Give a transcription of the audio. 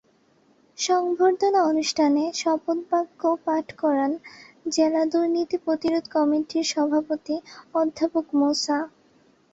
সংবর্ধনা অনুষ্ঠানে শপথবাক্য পাঠ করান জেলা দুর্নীতি প্রতিরোধ কমিটির সভাপতি অধ্যাপক মুসা।